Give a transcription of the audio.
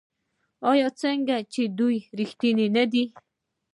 آیا ځکه چې دوی ریښتیني نه دي؟